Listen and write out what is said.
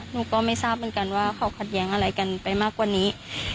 หนูก็ไม่ทราบเหมือนกันว่าเขาขัดแย้งอะไรกันไปมากกว่านี้